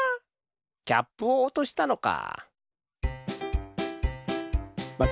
キャップをおとしたのか。